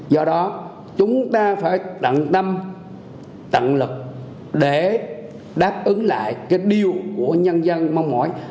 do đó chúng ta phải đặng tâm lực để đáp ứng lại cái điều của nhân dân mong mỏi